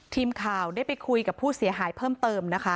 ทีมข่าวได้ไปคุยกับผู้เสียหายเพิ่มเติมนะคะ